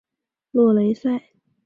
洛雷塞。